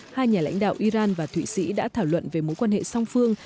hai nhà lãnh đạo iran và thụy sĩ đã thảo luận về mối quan hệ song phương